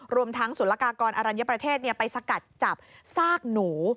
รวมทั้งศุลกากรอรัญญประเทศไปสกัดจับซากหนู